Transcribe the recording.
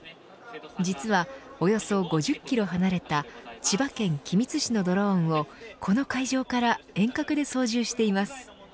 実はおよそ５０キロ離れた千葉県君津市のドローンをこの会場から遠隔で操縦しています。